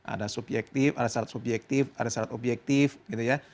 ada subjektif ada syarat subjektif ada syarat objektif gitu ya